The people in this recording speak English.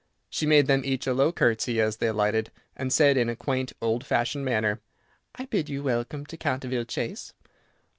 She made them each a low curtsey as they alighted, and said in a quaint, old fashioned manner, "I bid you welcome to Canterville Chase."